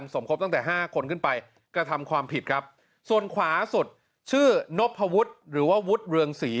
ส่วนขวาสุดชื่อนพพวุฒิหรือว่าวุฒิเรืองศรี